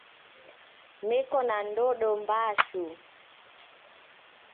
Neko na ndodo mbaa shuu.